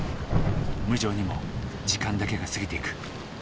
無情にも時間だけが過ぎていく。